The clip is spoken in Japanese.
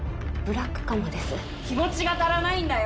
気持ちが足らないんだよ